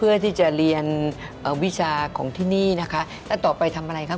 กรูผู้สืบสารล้านนารุ่นแรกแรกรุ่นเลยนะครับผม